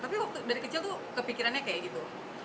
tapi waktu dari kecil kepikirannya seperti itu